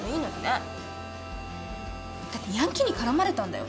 だってヤンキーに絡まれたんだよ